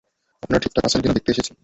আপনারা ঠিকঠাক আছেন কি না দেখতে এসেছি।